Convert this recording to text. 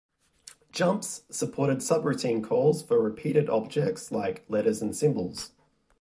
Jumps supported subroutine calls for repeated objects like letters and symbols.